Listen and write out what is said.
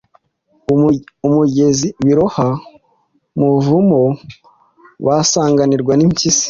umugezi, biroha mu buvumo, basanganirwa n’impyisi.”